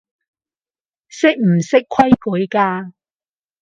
識唔識規矩㗎